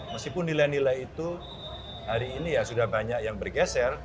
meskipun nilai nilai itu hari ini ya sudah banyak yang bergeser